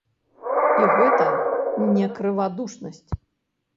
І гэта не крывадушнасць.